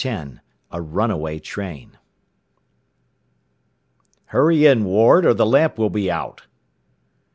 X A RUNAWAY TRAIN "Hurry in, Ward, or the lamp will be out!"